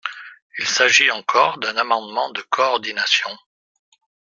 Il s’agit encore d’un amendement de coordination.